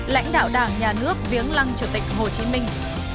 lãnh đạo đảng nhà nước viếng lăng chủ tịch hồ chí minh